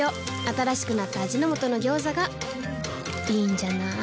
新しくなった味の素の「ギョーザ」がいいんじゃない？